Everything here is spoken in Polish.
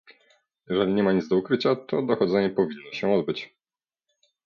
Jeżeli nie ma nic do ukrycia, to dochodzenie powinno się odbyć